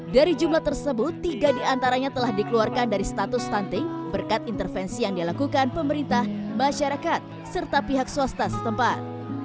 dari jumlah tersebut tiga diantaranya telah dikeluarkan dari status stunting berkat intervensi yang dilakukan pemerintah masyarakat serta pihak swasta setempat